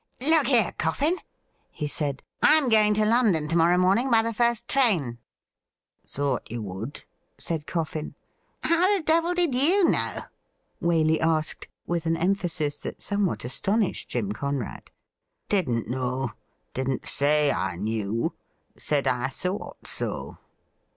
' Look here. Coffin,' he said, ' I am going to London to morrow morning by the first train.' ' Thought you would,' said Coffin. ' How the devil did you know .?' Waley asked, with an emphasis that somewhat astonished Jim Conrad. 'Didn't know. Didn't say I knew. Said I thought so.'